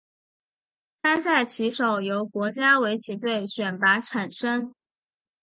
参赛棋手由国家围棋队选拔产生。